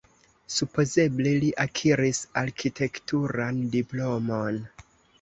Supozeble li akiris arkitekturan diplomon.